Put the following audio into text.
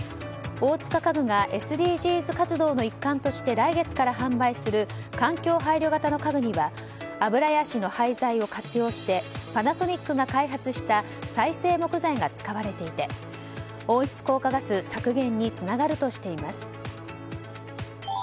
大塚家具がＳＤＧｓ活動の一環として来月から販売する環境配慮型の家具にはアブラヤシの廃材を活用してパナソニックが開発した再生木材が使われていて温室効果ガス削減につながるとしています。